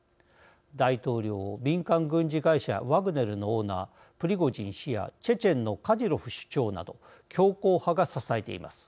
大統領を民間軍事会社ワグネルのオーナー、プリゴジン氏やチェチェンのカディロフ首長など強硬派が支えています。